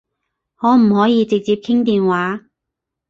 可唔可以直接傾電話？